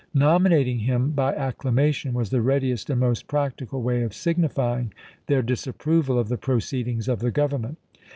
Nominating him by acclamation was the readiest and most practical VALLANDIGHAM 351 way of signifying their disapproval of the proceed chap, xii, ings of the Government.